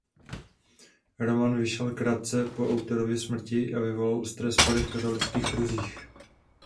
Román vyšel krátce po autorově smrti a vyvolal ostré spory v katolických kruzích.